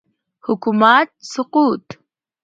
حکومت سقوط